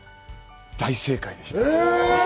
大正解でした。